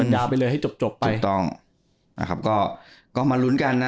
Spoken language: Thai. ต่อสัญญาไปเลยให้จบจบไปจริงต้องนะครับก็ก็มารุ้นกันนะ